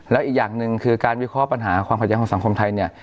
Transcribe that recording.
แล้วอีกอย่างหนึ่งคือการวิเคราะห์ปัญหาความเข้าใจของสังคมไทยเนี่ย